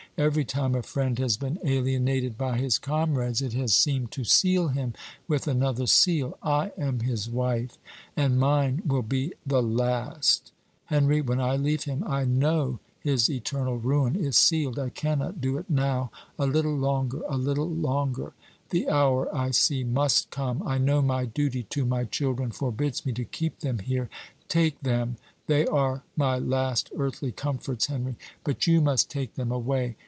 Every time a friend has been alienated by his comrades, it has seemed to seal him with another seal. I am his wife and mine will be the last. Henry, when I leave him, I know his eternal ruin is sealed. I cannot do it now; a little longer a little longer; the hour, I see, must come. I know my duty to my children forbids me to keep them here; take them they are my last earthly comforts, Henry but you must take them away.